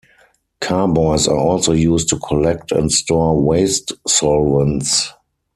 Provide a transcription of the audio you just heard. Carboys are also used to collect and store waste solvents.